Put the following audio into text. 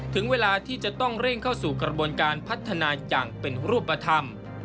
ถึงเวลาที่จะต้องเร่งเข้าสู่กระบวนการพัฒนาอย่างเป็นรูปธรรม